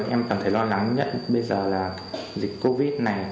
em cảm thấy lo lắng nhất bây giờ là dịch covid này